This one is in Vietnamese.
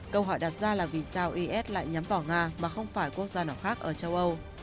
câu hỏi đặt ra là vì sao is lại nhắm vào nga mà không phải quốc gia nào khác ở châu âu